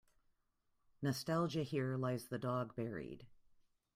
Nostalgia Here lies the dog buried.